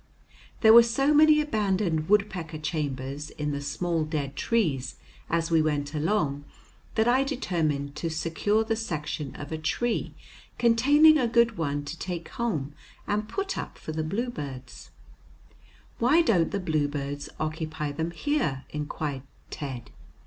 There were so many abandoned woodpecker chambers in the small dead trees as we went along that I determined to secure the section of a tree containing a good one to take home and put up for the bluebirds. "Why don't the bluebirds occupy them here?" inquired Ted.